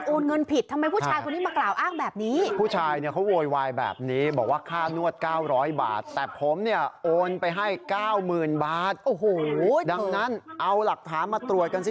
โอนไปให้๙๐๐๐๐บาทโอ้โหดังนั้นเอาหลักฐานมาตรวจกันซิ